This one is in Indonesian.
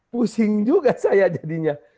pusing juga saya jadinya